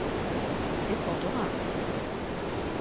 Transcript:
你傻咗呀？